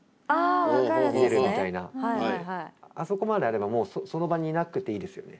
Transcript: あそこまであればもうその場にいなくていいですよね。